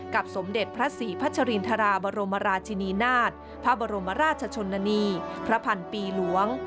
สมเด็จพระศรีพัชรินทราบรมราชินีนาฏพระบรมราชชนนานีพระพันปีหลวง